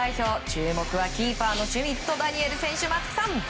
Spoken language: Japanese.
注目はキーパーのシュミット・ダニエル選手。